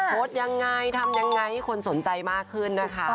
โพสต์ยังไงทำยังไงให้คนสนใจมากขึ้นนะคะ